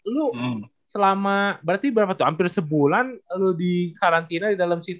lu selama berarti berapa tuh hampir sebulan lo di karantina di dalam situ